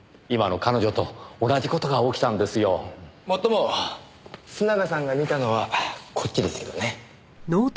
もっとも須永さんが見たのはこっちですけどね。